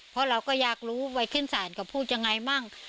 เพราะเราก็อยากรู้ไปขึ้นศาลก็พูดยังไงมั่ง